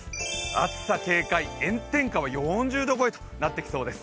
暑さ警戒、炎天下は４０度超えとなってきそうです。